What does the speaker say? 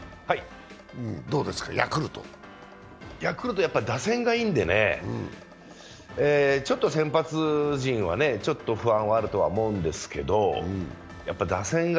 ヤクルトやっぱり打線がいいんでね、先発陣はちょっと不安はあるとは思うんですけど、打線が、